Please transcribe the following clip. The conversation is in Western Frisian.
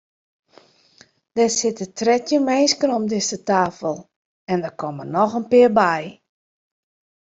Der sitte trettjin minsken om dizze tafel en der komme noch in pear by.